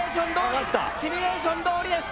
シミュレーションどおりです。